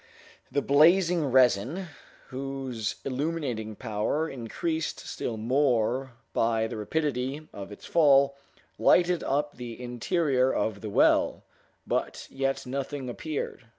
The blazing resin, whose illuminating power increased still more by the rapidity of its fall, lighted up the interior of the well, but yet nothing appeared.